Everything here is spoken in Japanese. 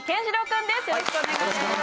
よろしくお願いします！